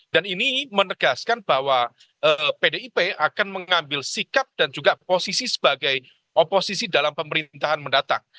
dan ini menegaskan bahwa pdip akan mengambil sikap dan juga posisi sebagai oposisi dalam pemerintahan mendatang